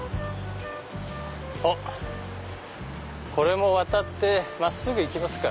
あっこれも渡って真っすぐ行きますか。